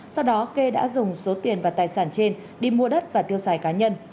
sau đó kê đã dùng số tiền và tài sản trên đi mua đất và tiêu xài cá nhân